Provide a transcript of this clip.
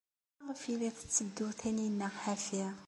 Maɣef ay la tetteddu Taninna ḥafi?